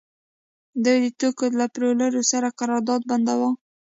دوی د توکو له پلورونکو سره قرارداد بنداوه